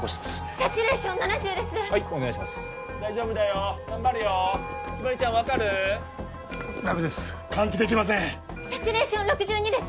サチュレーション６２です